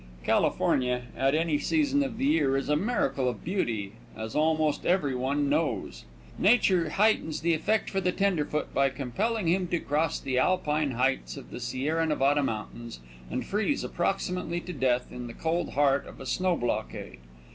California, at any season of the year, is a miracle of beauty, as almost every one knows. Nature heightens the effect for the tenderfoot by compelling him to cross the Alpine heights of the Sierra Nevada Mountains and freeze approximately to death in the cold heart of a snow blockade.